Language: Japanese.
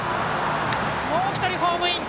もう１人、ホームイン！